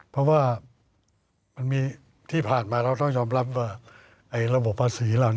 เพราะว่ามันมีที่ผ่านมาเราต้องยอมรับว่าระบบภาษีเหล่านี้